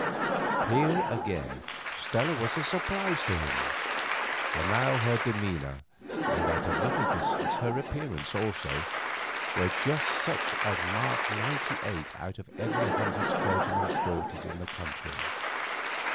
Here, again, Stella was a surprise to him, for now her demeanour, and at a little distance her appearance also, were just such as mark ninety eight out of every hundred clergyman's daughters in the country.